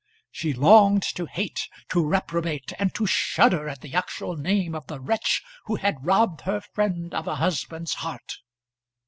She longed to hate, to reprobate, and to shudder at the actual name of the wretch who had robbed her friend of a husband's heart.